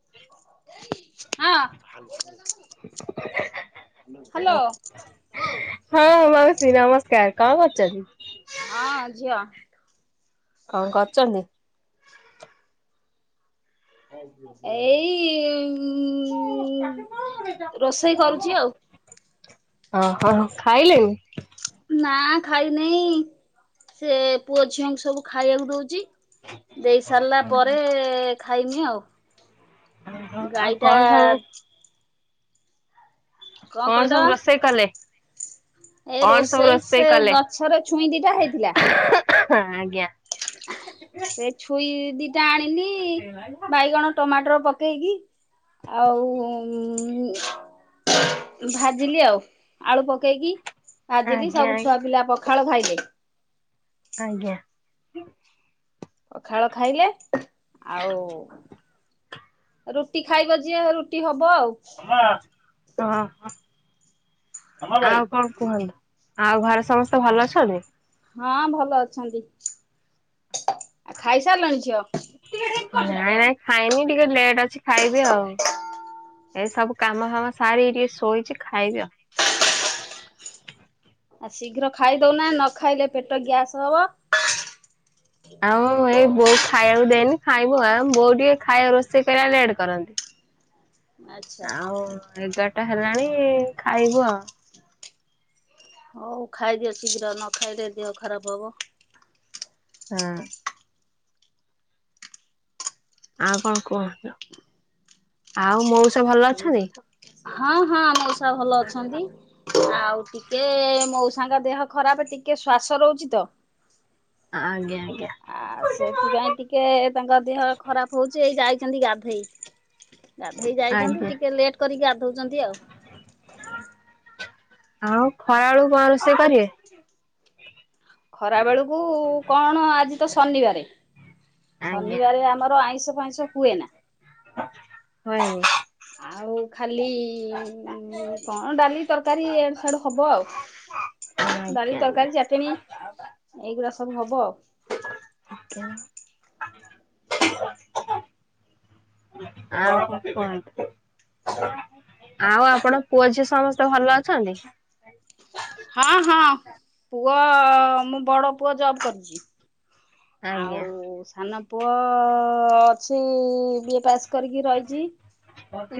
ହଁ। ହ୍ୟାଲୋ ହଁ ମାଉସୀ ନମସ୍କାର କଣ କରୁଚନ୍ତି? ହଁ ଝିଅ କରୁଛନ୍ତି? ଏଇ ରୋଷେଇ କରୁଛି ଆଉ। ଓହୋ ଖାଇଲେଣି ନା ଖାଇନେହି ସେ ପୁଅ ଝିଆଙ୍କୁ ସବୁ ଖାଇବାକୁ ଦଉଚି ଦେଇ ସାରିଲା ପରେ ଖାଇମି ଆଉ। ହଁ ଆଉ ଗାଈଟା କଣ ସବୁ କଣ କହିଲ? ସବୁ ରୋଷେଇ କଲେ? ଏ କଣ ସବୁ ରୋଷେଇ ସେ କଲେ? ଗଛର ଛୁଇଁ ଦିଟା ହେଇଥିଲା ହଁ, ସେ ଛୁଇ ଦିଟା ଆଣିଲି, ବାଇଗଣ, ଟମାଟର ପକେଇକି ଆଉ ଭାଜିଲି ଆଉ ଆଳୁ ପକେଇକି ଆଜିିଲ ବି ଆଜ୍ଞା ସବୁ ଛୁଆ ଆଜ୍ଞା ପିଲା ପଖ ସଖାଳ ଭାଇଲେ ଆଜ୍ଞା। ପଖାଳ ଖାଇଲେ। ଆଉ ରୁଟି ଖାଇବ ଯିଏ ରୁଟି ହ ହୁଭ ଆଉ। ହଁ ଆଉ କଣ କୁହନ୍ତୁ ଆଉ ଘରେ ସମସ୍ତେ ଭଲ ଅଛନ୍ତି। ହଁ ଭଲ ଅଛନ୍ତି। ଆଉ ଖାଇସାରିଲେଣି ଝିଅ। ନାଇଁ ନାଇଁ ଖାଇନି ଟିକେ ଲେଟ୍ ଅଛି ଖାଇବି ଆଉ। ଏସବୁ କାମ ଫାମ ସାର ଟିକେ ଶୋଇଛି ଖାଇବି। ଆ ଶୀଘ୍ର ଖାଇଦଉନା ନ ଖାଇଲେ ପେଟ ଗ୍ୟାସ୍ ହବ। ଆଉ ଏଇ ବୋଉ ଖାଇବାକୁ ଦେଇନି। ଖାଇବ ଆ ବୋଉ ଟିକେ ଖାଇବା ରୋଷେଇ କରିବାକୁ ଲେଟ କରନ୍ତି। ଆଚ୍ଛା ଆଉ ଏଗାରଟା ହେଲାଣି ଏ ଖାଇବୁ ଆ ହଉ ଖାଇଦିଅ ଶୀଘ୍ର ନ ଖାଇଲେ ଦେହ ଖରାପ ହବ ହୁଁ ଆଉ କଣ କୁହ ଆଉ ମଉସା ଭଲ ଅଛନ୍ତି ହଁ ହଁ ମଉଶ୍ ଭଲ ଅଛନ୍ତି ଆଉ ଟିକେଏ ମଉସାଙ୍କ ଦେହ ଖରାପ ଟିକେ ଶ୍ଵାସ ରହୁଛି ତ ଆଜ୍ଞା ଆଜ୍ଞା ଆ ସେଥିପାଇଁ ଟିକେ ତାଙ୍କ ଦେହ ଖରାପ ହଉଛି ଏଇ ଯାଇ ଯାଇଛନ୍ତି ଗାଧୋଇ ଗାଧେଇ ଯାଇଛନ୍ତି ଆଜ୍ଞା। ଟିକେ ଲେଟ୍ କରିକି ଗାଧଉଛନ୍ତି ଆଉ ଆଉ ଖରାଳୁ କୁ କଣ ରୋଷେଇ କରିବେ ଖରା ବେଳକୁ କଣ ଆଜି ତ ଶନିବାରେ ଆଜ୍ଞା। ଶନିବାରେ ଆମର ଆଇଁଷ ଆଇଁସ ହୁଏ ନା ଆଛା ହୋଏ ନି ଆଉ ଖାଲି କଣ ଡାଲି ତରକାରୀ ଇଆଡୁ ସିଆଡୁ ହବ ଆଉ ଡାଲି ଆଜ୍ଞା ଆଜ୍ଞା ତରକାରୀ ଚଟିନି୍ ଏଇଗୁଡା ସବୁ ହବ ଆଉ [inaudible] ଆଉ ଆପଣ ପୁଅ ଝିଅ ସମସ୍ତେ ଭଲ ଅଛନ୍ତି। ହଁ ହଁ ପୁଅ ମୁଁ ବଡ ପୁଅ ଜବ୍ କରିଛି। ଆଜ୍ଞା ଆଜ୍ଞା ଆଉ ସାନ୍ ପୁଅ ଅଛି ଇ ବିଏ ପାସ୍ କରିକି ରହିଛି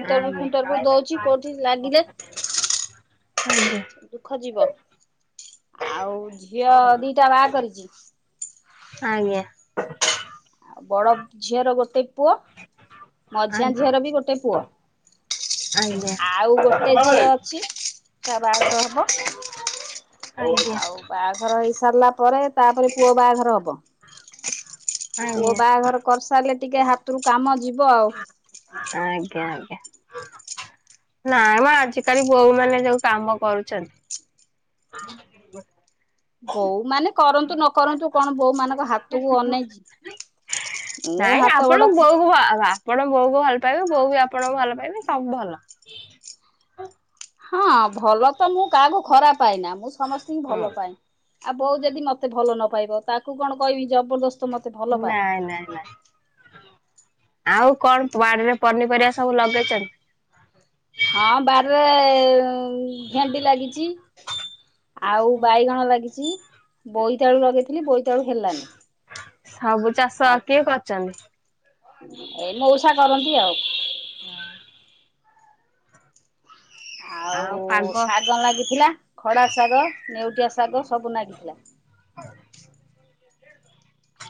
ଇଣ୍ଟର ଫିଟଭୁ ଦଉଛି କୋଉଠି ଲାଗିଲେ ଆଜ୍ଞା ଆଜ୍ଞା ଦୁଃଖ ଯିବ। ଆଉ ଝିଅ ଦିଟା ବାହା କରିଚି ଆଜ୍ଞା। ଆଉ ବଡ ଝିଅର ଗୋଟେ ପୁଅ। ମଝିଆ ଆଜ୍ଞା ଝିଅର ବି ଗୋଟେ ପୁଅ ଆଜ୍ଞା ଆଉ ଗୋଟେ ଝିଅ ଅଛି। ତା ବହାଘର ହେବ। ଆଜ୍ଞା ଆଉ ବାହାଘର ହେଇ ସୀ ସାରିଲା ପରେ ତାପରେ ପୁଅ ବାଆଘର ହବ। ପୁଅ ବାହାଘର କରିସାରିଲେ ଟିକେ ହାତରୁ କାମ ଯିବ ଆଉ। ନାଇ ମ ଆଜିକାଲି ବୋହୁ ମାନେ ଯୋଉ କାମ କରୁଛନ୍ତି ବୋଉ ମାନେ କରନ୍ତୁ ନ କରନ୍ତୁ କଣ ବୋହୁ ମାନକ୍ ମୁଁ ନାଇଁ ହାତ ଗୋଡ ଆପଣ ବୋଉକୁ ଆପଣ ବୋଉ କ ଭଲ ଭଲ ପାଇବେ ବୋଉ ବି ଆପଣ ଭଲ ପାଇବେ ସବୁ ଭଲ ହଁ। ଭଲ ତ ମୁଁ କାହାକୁ ଖରାପ ପାଏନା ମୁଁ ସମସ୍ତଙ୍କୁ ହୁଁ। ଭଲ ପାଏ। ଆଉ ବୋଉ ଯଦି ମତେ ଭଲ ନ ପାଇବ ତାକୁ କଣ କହିବି ଜବରଦସ୍ତ ମତେ ଭଲ ପା। ନାଇଁ ନାଇଁ ନାଇଁ ଆଉ କଣ ବାଡିରେ ପନିପରିବା ସବୁ ଲଗେଇଛନ୍ ହଁ ବାରିରେ ଭେଣ୍ଡି ଲାଗିଛି ଆଉ ବାଇଗଣ ଲାଗିଛି। ବୋଇତାଳୁ ଲଗେଇଥିଲି ବୋଇତାଳୁ ହେଲାନି ସବୁ ଚାଷ କିଏ କରିଛନ୍ତି। ଏଇ ମଉସା କରନ୍ତି ଆଉ। ହଁ। ଆଉ ଶାଗ ଲାଗିଥିଲା ଖଡା ଶାଗ ନେଉଟିଆ ଶାଗ ସବୁ ଲାଗିଥିଲା।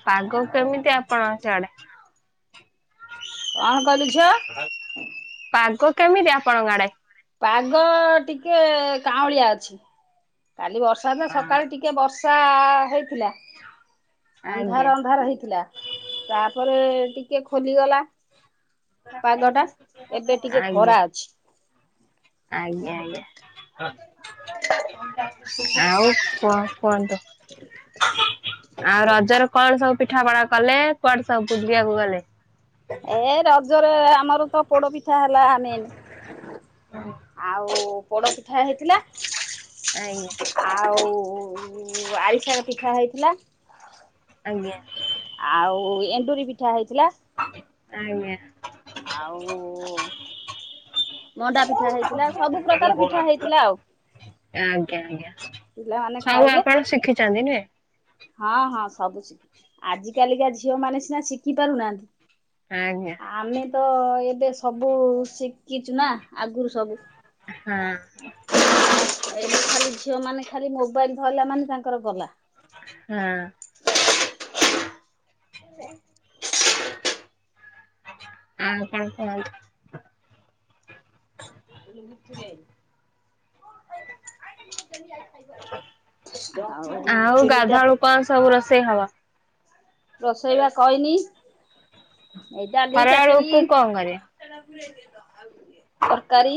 ପାଗ ଆଉ କେମିତି ଆପଣଙ୍କ ସେଆଡେ କଣ କଲୁ ଝିଅ? ପାଗ କେମିତି ଆପଣ ଗାଡା ପାଗ ଟିକେ କାଉଁଳିଆ ଅଛି- କାଲି ବର୍ଷା ତ ହଁ, ସକାଳେ ଟିକେ ବର୍ଷ- ସାହ- ଆଜ୍ଞା ଅନ୍ଧାର ଅନ୍ଧାର ହେଇଥିଲା ତାପରେ- ଟିକେ ଖୋଲିଗଲା- ପାଗ ଟା ଆଜ୍ଞା ଏବେ ଟିକେ ଖରା ଆଜ୍ଞା ଅଛି। ଆଜ୍ଞା ଆଉ କୁହ କୁହନ୍ତ- [inaudible] ଆଉ ରଜରେ କଣ ସବୁ ପିଠା ପଣା କଲେ କୁଆଡେ ସବୁ ବୁଲି ବାକୁ ଗଲେ- ଏ ରଜ- ଆମର ତ- ପୋଡ଼ ପିଠା ହେଲା ଆମେନ୍ ଆଉ- ପ- ପିଠା ହେଇଥିଲା ଆଜ୍ଞା ଆଉ ଆରିସାଣ ପିଠା ହେଇଥିଲା- ଆଜ୍ଞା- ଆଉ ଏଣ୍ଡୁରି ପିଠା ହେଇଥିଲା- ଆଜ୍ଞା ଆଉ ମଣ୍ଡା ପିଠା ହେଇଥିଲା ସବୁ ପ୍ରକାର ପିଠା ଆଜ୍ଞା। ହେଇଥିଲା ଆଉ- ଆଜ୍ଞା ଆଜ୍ଞା। ପିଲାମାନେେ ସବୁ ଖାଇଲେ। ଆପଣ [unintelligible] ହଁ ହଁ ସବୁ ଶିଖିଚି ଆଜିିକାଲିକା ଝିଅ ମାନେ ସିନା ଶିଖି ପାରୁନାହାନ୍ତି। ଆଜ୍ଞା ଆମେ ତ ଏବେ ସବୁ ଶି ଶିଖିଚୁ ନା ଆଗରୁ ସବୁ- ହଁ। ଏବେ ଖାଲି ଝିଅ ମାନେ ଖାଲି ମୋବାଇଲ ଧରିଲା ମାନେ ତାଙ୍କର ଗଲା। ହଁ ଆଉ କଣ କୁହନ୍ତୁ - [unintelligible] ଚୁଲି ଟା ସେ ନେବ। ରୋଷେଇ ବା କଇନି- ଖରା ବେଳକୁ କଣ କରିବେ- [unintelligible] ତରକାରୀ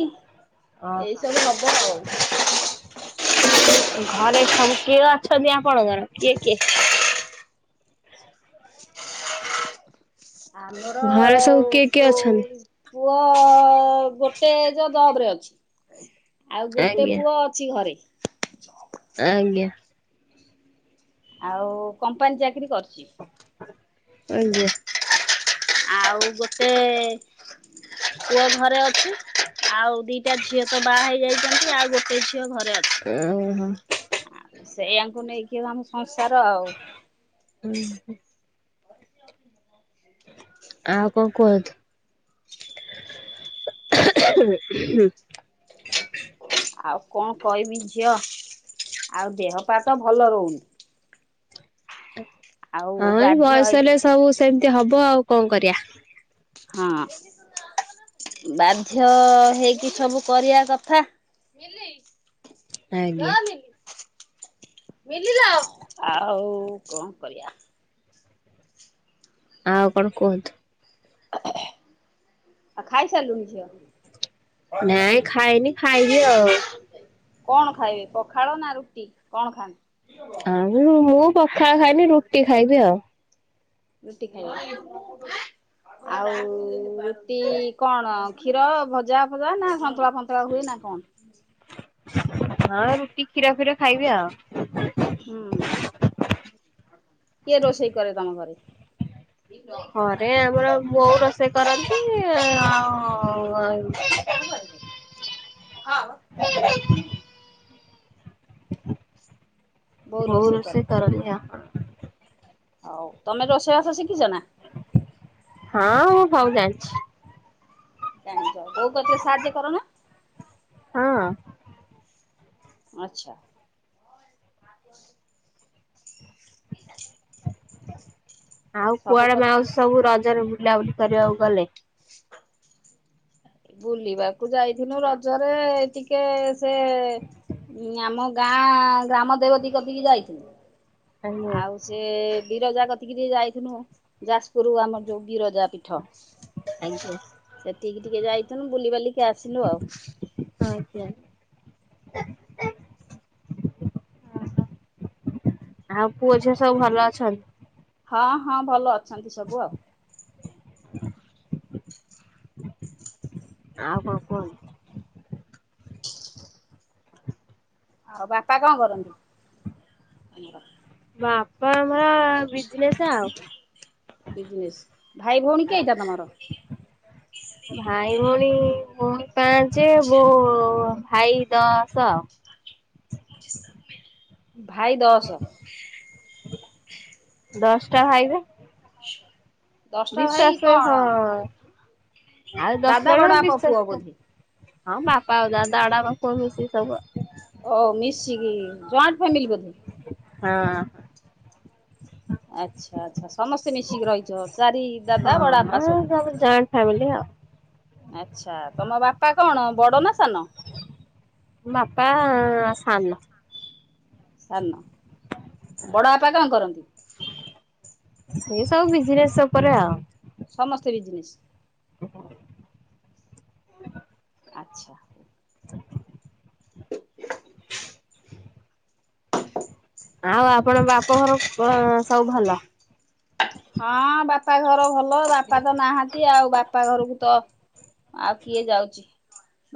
ଏଇ ଓହୋ ସବୁ ନବ ଆଉ [inaudible] ଘରେ ସବୁ କିଏ ଅଛନ୍ତି ଆପଣଙ୍କର କିଏ କିଏ- ଆମର ଘରେ ସବୁ କିଏ କିଏ ପୁ ଅଛନ୍ତି? ପୁଅ ଗୋଟେ ଯ ଜବ୍ ରେ ଅଛି। [inaudible] ଆଉ ଗୋଟେ ଆଜ୍ଞା ପୁଅ ଅଛି ଘରେ। [unintelligible] ଆଜ୍ଞା ଆଉ କମ୍ପାନୀ ଚାକିରୀ କରୁଚି। [inaudible] ଆଜ୍ଞା। ଆଉ ଗୋଟେ ପୁଅ ଘରେ ଅଛି। ଆଉ ଦିଟା ଝିଅ ତ ବାହା ହେଇଯାଇଛନ୍ତି ଆଉ ଗୋଟେ ଝି [unintelligible] ହଁ । ସେଇଆ ଙ୍କୁ ନେଇକି ଆମ ସଂସାର ଆଉ- ହୁଁ [unintelligible] ଆଉ କଣ କୁହନ୍ତୁ। ଆଉ କଣ କହିବି ଝିଅ ଆଉ ଦେହପାତ ଭଲ ରହୁନି। ଆଉ ହଁ ଏଇ ବାଧ୍ୟ ବୟସ ହେଇକି ହେଲେ ସବୁ ସେମି ଏମିତି ହବ ଆଉ କଣ କରିବା। ହଁ ବାଧ୍ୟ ହେଇକି ସବୁ କରିବା କଥା। ଆଜ୍ଞା। ମିଲା ଆଉ ଆଉ କଣ କରିବା। ଆଉ କଣ କୁହନ୍ତୁ। ଆଉ ଖାଇସାରିଲୁଣି ଝିଅ। ନାଇଁ ଖାଇନି ଖାଇବି ଆଉ। କଣ ଖାଇବେ ପଖାଳ ନା ରୁଟି କଣ ଖାନ୍ତି। ଆଉ ମୁଁ ପଖାଳ ଖାଇନି ରୁଟି ଖାଇବି ଆଉ। ରୁଟି ଖାଇବା ଆଉ ରୁଟି କଣ କ୍ଷୀର ଭଜା ଫଜା ନା ସନ୍ତୁଳା ଫନ୍ତୁଳା ହୁଏ ନା କଣ। ହଁ ରୁଟି କ୍ଷୀର ଫିର ଖାଇବି ଆଉ। ହୁଁ କିଏ ରୋଷେଇ କରେ ତମ ଘରେ। ହରେ ଆମର ବୋଉ ରୋଷେଇ କରନ୍ତି ଆଉ ହଁ। [inaudible] ବୋଉ ହଉ କରେ ରୋଷେଇ କରନ୍ତିି। ହଉ ତମେ ରୋଷେଇବାସ ଶିଖିଛ ନା। ଥାଉଜ ଜାଣିଛ ବୋଉ କେ ସାହାଯ୍ୟ କରନ। ହଁ। ଆଚ୍ଛା। [inaudible] [inaudible] ଆଉ ସବୁ କୁଆଡେ କଥା ମାଉସ ସବୁ ରଜରେ ଲଉଲି କରିରେ ଗଲେ। [inaudible] ବୁଲିବାକୁ ଯାଇଥିଲୁ ରଜରେ ଟିକେ ସେ ଆମ ଗାଁ ଗ୍ରାମ ଦେବ ଦୀକ ଟକେ ଯାଇଥିଲୁ। ଆଜ୍ଞା। ଆଉ ସେ ବିରଜା କତିକି ଟ ଯାଇଥଥିଲୁ ଯାଜପୁରରୁ ଆମର ଯୋଉ ବିରଜା ପୀଠ ଆଜ୍ଞା ସେଠିକି ଟିକେ ଯାଇଥଥିଲୁ ବୁଲିିବାଲିକି ଆସିଲୁ ଆଉ। [inaudible] ଆଉ ପୁଅ ଝିଅ ସବୁ ଭଲ ଅଛନ୍ତି। ହଁ ହଁ ଭଲ ଅଛନ୍ତି ସବୁ ଆଉ। [inaudible] ଆଉ କଣ କୁହ। ଆଉ ବାପା କଣ କରନ୍ତି ଆମର ବାପା ଆମର ବିଜନେସ୍ ଆଉ। ବିଜନେ ଭାଇ ଭଉଣୀ କି ଏଇଟା ତମର। ଭାଇ ଭଉଣୀ ଭଉଣୀ ପାଞ୍ଚ ବୋ ଭାଇ ଦଶ ଆଉ। ଭାଇ ଦଶ। ଦଶଟା ଖାଇବେ। ଦଶଟା ବିଶ ଭାଇ ଚାସେ କଣ ହଁ- ଆଉ ଦଶ ଦାଦା ଜଣ ବଡଆ ପ ବିଶ୍ଵାସ ପୁଅ କର ବୋଧି- ହଁ ବାପା ହଉ ଦଡା ବାଖ ଖୁସି ସବୁ- ହଉ ମିଶିକି ଜଏଣ୍ଟ ଫ୍ୟାମିଲି ବୋଧେ- ହଁ- ଆଚ୍ଛା ଆଚ୍ଛା ସମସ୍ତେ ମିଶିକି ରହିଛ ଚାରି ଦାଦା ବଡ ବାପା ସବୁ- ଆ- ଅଚ୍ଛା ତମ ବାପା କଣ ବଡ ନା- ସାନ- ପ ଆସାନ- ସାର ନ ବଡ ବାପା କଣ କରନ୍ତି- ସେ ସବୁ ବିଜନେସ ଉପରେ ଆଉ- ସମସ୍ତେ ବିଜନିସ୍- [inaudible] ଆଚ୍ଛା ଆଉ ଆପଣ ବାପ ଘର ସବୁ ଭଲ- ହଁ ବାପାଘର ଭଲ- ଭଲ ବାପା ତ ନାହାନ୍ତି ଆଉ ବାପା ଘରକୁ- ତ ଆଉ କିଏ ଯାଉଛି-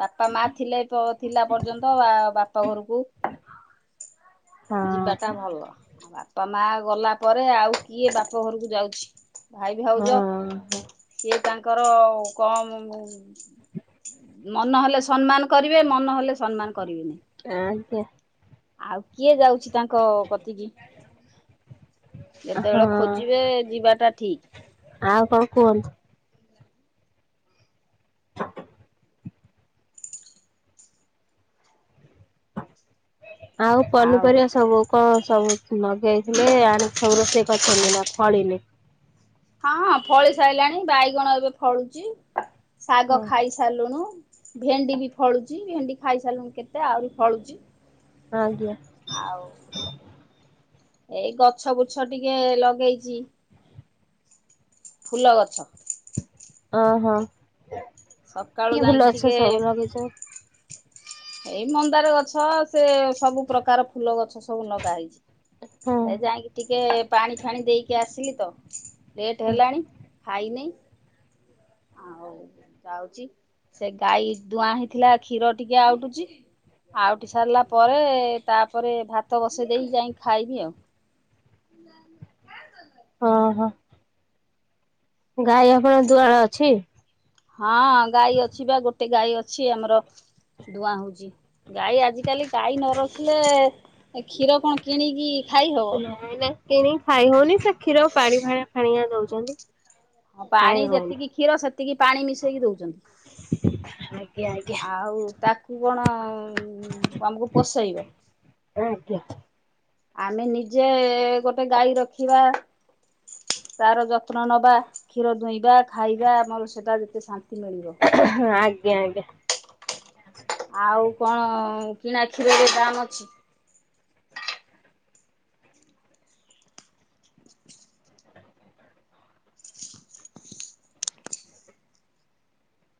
ବାପା ମା ଥିଲେ ଥିଲା ପର୍ଯ୍ୟନ୍ତ ଆ ବାପା- ତ ଘରକୁ- ଯିବା ଟା ହଁ ଭଲ ଆବା- ବାପା ମା ଗଲା ପରେ ଆଉ କିଏ ବାପା- ସହୋହରକୁ ଯାଉଛି- ଭାଇ ବି ହଉଛ ହଁ କିଏ- ତାଙ୍କର କ ମନ ହେଲେ ସମ୍ମାନ କରିବେ ମନ ହେଲେ ସମ୍ମାନ- କରିବେନି ଆ ଆଜ୍ଞା- ଆଉ କିଏ ଯାଉଛି ତାଙ୍କ କତି କିି- ଏତ ହଁ। ହେଳ- ଖୋଜିବେ ଯିବାଟା ଠିକ- ଆଉ କଣ କୁହନ୍ତୁ? ଆଉ ଆଉ ପନିପରିବା ସବୁ କଣ- ସ ମଗେଇଥିଲେ ଆ ସର ସେ କରି ଅଛନ୍ତି ନା ଖଆଳିିଲେ- ହଁଁ ଫଳି ସାରିଲାଣି ବାଇଗଣ ଏବେ ଫଳୁଛି- ଶାଗ ହଁ ଖାଇ ସାରିଲୁଣିୁ- ଭେଣ୍ଡି ବି ଫଳୁଛି ଭେଣ୍ଡି ଖାଇ ସାରିଲୁ ମୁ କେତେ ଆହୁରି ଫଳୁଛି- ଆଜ୍ଞା ଆଉ ଏଇ ଗଛ ବୁଚଛ ଟିକେ ଲଗେଇଛି- ଫୁଲ ଗଛ ଓ ହୋ ସକାଳୁ କି ଯାଇକି ଫୁଲ ଅଛ ଟିକେ ସବୁ ଲଗେଇଛ? ଏଇ ମନ୍ଦାର ଗଛ ସେ ସବୁ ପ୍ରକାର ଫୁଲ ଗଛ ସବୁ ଲଗା ହେଇଛି। ହଁ ହେ ଯାଇକି ଟିକେ ପାଣି ଫାଣି ଦେଇକି ଆସିଲି ତ ଲେଟ୍ ହେଲାଣି ଖାଇନେଇ ଆଉ ଯାଉଚି ସେ ଗାଈ ଦୁଆଁ ହେଇଥିଲା କ୍ଷୀର ଟିକେ ଆଉଟୁଛି ଆଉଟି ସାରିଲା ପରେ ତାପରେ ଭାତ ବସେଇ ଦେଇ ଯାଇ ଖାଇବି ଆଉ। ହଁ ହଁ ଗାଈ ଆପଣ ଦୁଆଳ ଅଛି ହଁ ଗାଈ ଅଛି ବା ଗୋଟେ ଗାଈ ଅଛି ଆମର ଦୁଆଁ ହଉଛି ଗାଈ ଆଜିକାଲି ଗାଈ ନ ରଖିଲେ କ୍ଷୀର କଣ କିଣିକି ଖାଇ ହବ? ନାଇଁ ନାଇଁ କିଣିକି ଖାଇ ହଉନି ସେ କ୍ଷୀରକୁ ପାଣି ଭାଣିଆ ଖଣିଆ ଦଉ ଚନ୍ତି ପାଣି ଯେତିକି କ୍ଷୀର ସେତିକି ପାଣି ମିଶେଇକି ଦଉଛନ୍ତି ଆଜ୍ଞା ଆଜ୍ଞା ଆଉ ତାକୁ କଣ ତମକୁ ପୋଷେଇବ। [inaudible] ଆମେ ନିଜେ ଗୋଟେ ଗାଈ ରଖିବା ତାର ଯତ୍ନ ନବା କ୍ଷୀର ଦୁଇଁବା ଖାଇବା ଆମର ସେଟା ଯେତେ ଶା ମିଳିବ ଆଜ୍ଞା ଆଜ୍ଞା ଆଉ କଣ କିଣା କ୍ଷୀରରେ ଦାମ୍ ଅଛି।